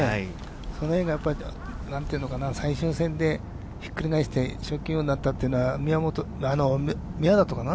そのへんが最終戦でひっくり返して賞金王になったというのは、宮里かな。